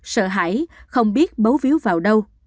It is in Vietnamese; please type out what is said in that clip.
sợ hãi không biết bấu viếu vào đâu